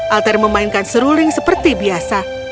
alter memainkan seruling seperti biasa